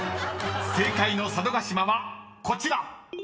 ［正解の佐渡島はこちら］